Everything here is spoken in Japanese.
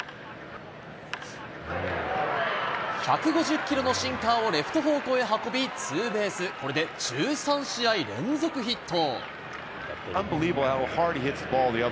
１５０キロのシンカーをレフト方向へ運び、ツーベース、これで１３試合連続ヒット。